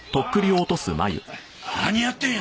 何やってんや！